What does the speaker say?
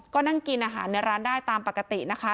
ก็นั่งกินอาหารในร้านได้ตามปกตินะคะ